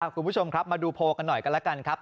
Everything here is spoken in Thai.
คุณผู้ชมครับมาดูโพลกันหน่อยกันแล้วกันครับ